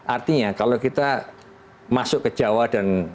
artinya kalau kita masuk ke jawa dan